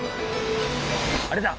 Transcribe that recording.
あれだ！